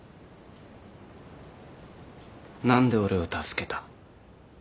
何で俺を助けた？